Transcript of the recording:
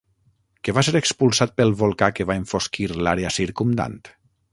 Què va ser expulsat pel volcà que va enfosquir l'àrea circumdant?